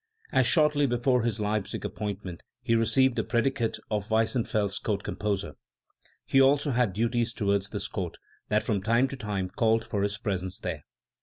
As shortly before his Leipzig appointment he received the praedicate of Weissenfels Court composer, he also had duties towards this Court, that from time to time called for his presence there.